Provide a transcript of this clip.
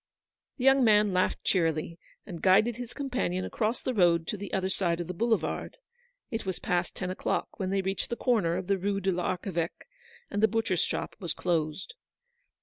The young man laughed cheerily, and guided his companion across the road to the other side of the boulevard. It was past ten o'clock when they reached the corner of the Rue de l'Arche veque, and the butcher's shop was closed.